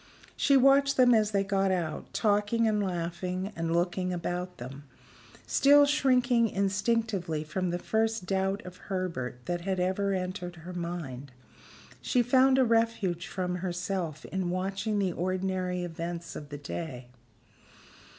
She watched them as they got out, talking and laughing, and looking about them. Still shrinking instinctively from the first doubt of Herbert that had ever entered her mind, she found a refuge from herself in watching the ordinary events of the day.